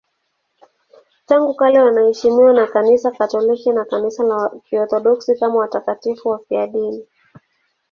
Tangu kale wanaheshimiwa na Kanisa Katoliki na Kanisa la Kiorthodoksi kama watakatifu wafiadini.